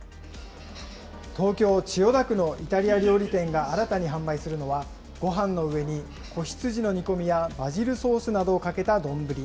東京・千代田区のイタリア料理店が新たに販売するのは、ごはんの上に子羊の煮込みやバジルソースなどをかけた丼。